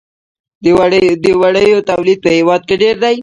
د وړیو تولید په هیواد کې ډیر دی